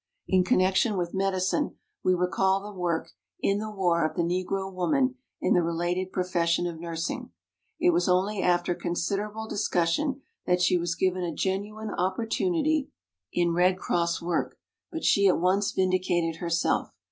In connection with medi cine we recall the work in the war of the Negro woman in the related profession of nursing. It was only after considerable dis cussion that she was given a genuine oppor INTRODUCTION 19 tunity in Red Cross work, but she at once vindicated herself.